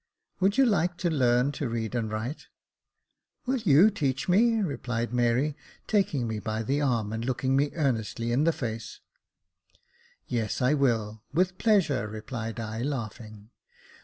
" Would you like to learn to read and write ?"" Will you teach me ?" replied Mary, taking me by the arm, and looking me earnestly in the face " Yes, I will, with pleasure," replied I, laughing.